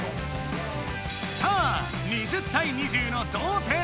さあ２０たい２０の同点！